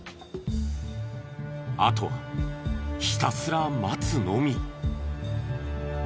あとはひたすら待つのみ。